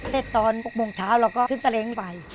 เสร็จตอน๖โมงเช้าเราก็ขึ้นตะเล้งไป